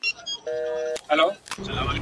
یو ناڅاپه وو کوهي ته ور لوېدلې ..